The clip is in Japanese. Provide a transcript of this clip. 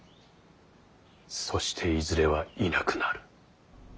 そしていずれはいなくなる。